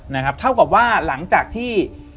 นะครับเท่ากับว่าหลังจากที่